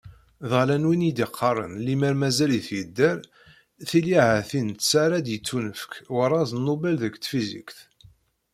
Dɣa, llan wid i d-yeqqaren lemmer mazal-it yedder, tili ahat i netta ara yettunefk warraz Nobel deg tfizikt.